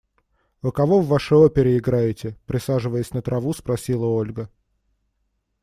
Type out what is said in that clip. – Вы кого в вашей опере играете? – присаживаясь на траву, спросила Ольга.